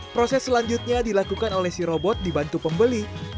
proses selanjutnya dilakukan oleh si robot dibantu pembeli